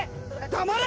黙れ！